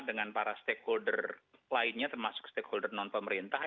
dengan para stakeholder lainnya termasuk stakeholder non pemerintah